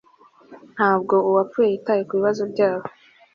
Ntabwo uwapfuye yitaye kubibazo byabo